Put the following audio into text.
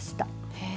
へえ。